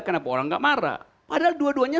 kenapa orang nggak marah padahal dua duanya